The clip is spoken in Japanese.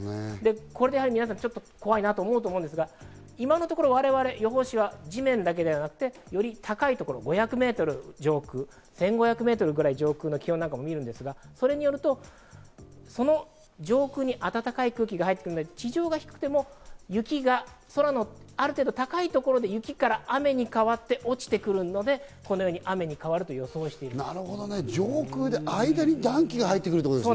これで皆さん、怖いなと思うと思うんですが、今のところ我々予報士は地面だけではなくより高いところ、５００メートル上空、１５００メートルくらい上空の気温などを見るんですが、それによるとその上空に暖かい空気が入るので、地上の気温が低くても空のある程度、高いところで雪から雨に変わって落ちてくるので、このように雨に変わると予想しています。